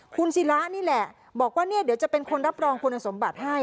คุณศิระนี่แหละบอกว่าเนี่ยเดี๋ยวจะเป็นคนรับรองคุณสมบัติให้